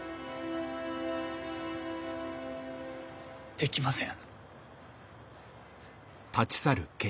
できません。